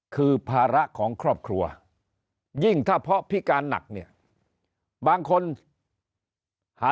คือภาระของครอบครัวยิ่งถ้าเพราะพิการหนักเนี่ยบางคนหา